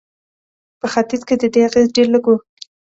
په ختیځ کې د دې اغېز ډېر لږ و.